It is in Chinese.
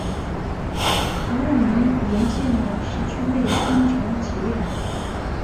服务于沿线的市区内工厂企业。